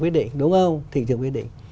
quyết định đúng không thị trường quyết định